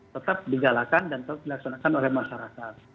tetap digalakan dan dilaksanakan oleh masyarakat